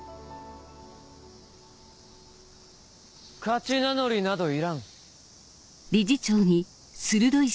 勝ち名乗りなどいらん。